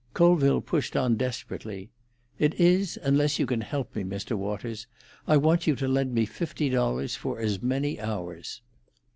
Colville pushed on desperately. "It is, unless you can help me, Mr. Waters. I want you to lend me fifty dollars for as many hours."